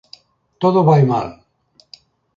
Todo vai mal.